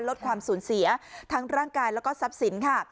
ลดความสูญเสียทั้งร่างกายแล้วก็ทรัพย์สินค่ะ